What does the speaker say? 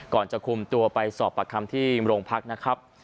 จะคุมตัวไปสอบประคำที่โรงพักนะครับ